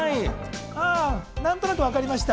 何となくわかりました。